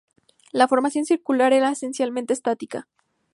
La formación circular era esencialmente estática.